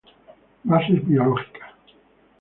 Bases biológicas.